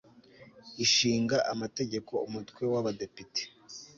ishinga Amategeko Umutwe w Abadepite